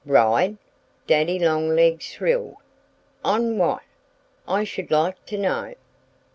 "Ride?" Daddy Longlegs shrilled. "On what, I should like to know?"